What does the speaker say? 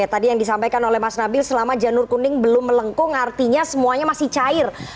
tadi yang disampaikan oleh mas nabil selama janur kuning belum melengkung artinya semuanya masih cair